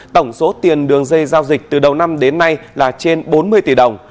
tổng số tiền đường dây giao dịch từ đầu năm đến nay là trên bốn mươi tỷ đồng